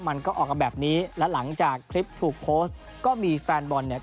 มันก็ออกมาแบบนี้และหลังจากคลิปถูกโพสต์ก็มีแฟนบอลเนี่ย